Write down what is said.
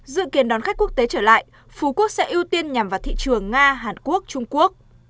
dự kiến đón khách quốc tế trở lại phú quốc sẽ ưu tiên nhằm vào thị trường nga hàn quốc trung quốc